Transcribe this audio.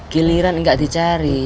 giliran gak dicari